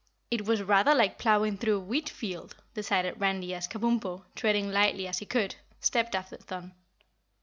"It was rather like ploughing through a wheat field," decided Randy as Kabumpo, treading lightly as he could, stepped after Thun.